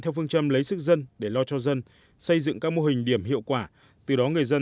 theo phương châm lấy sức dân để lo cho dân xây dựng các mô hình điểm hiệu quả từ đó người dân